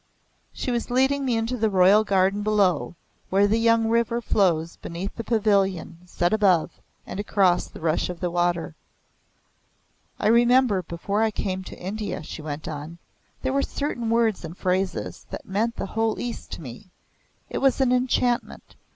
She was leading me into the royal garden below, where the young river flows beneath the pavilion set above and across the rush of the water. "I remember before I came to India," she went on, "there were certain words and phrases that meant the whole East to me. It was an enchantment.